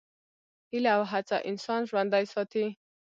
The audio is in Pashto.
هیله او هڅه انسان ژوندی ساتي.